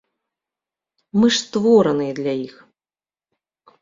Мы ж створаныя для іх.